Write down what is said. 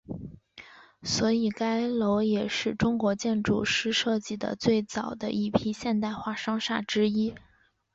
所以该楼也是中国建筑师设计的最早的一批现代化商厦之一。